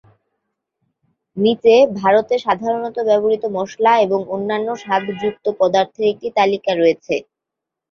নীচে ভারতে সাধারণত ব্যবহৃত মশলা এবং অন্যান্য স্বাদযুক্ত পদার্থের একটি তালিকা রয়েছে।